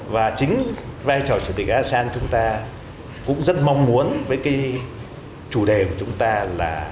và chính vai trò chủ tịch asean chúng ta cũng rất mong muốn với cái chủ đề của chúng ta là